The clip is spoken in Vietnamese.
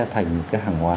thành cái hàng hóa